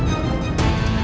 dan itu adalah